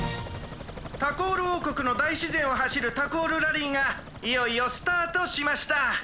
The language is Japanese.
タコールおうこくのだいしぜんをはしるタコールラリーがいよいよスタートしました。